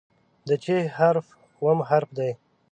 د "چ" حرف اووم حرف دی.